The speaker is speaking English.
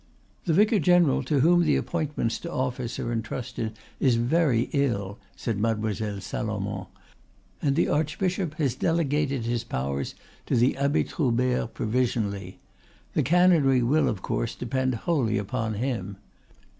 "The vicar general, to whom the appointments to office are entrusted, is very ill," said Mademoiselle Salomon, "and the archbishop has delegated his powers to the Abbe Troubert provisionally. The canonry will, of course, depend wholly upon him.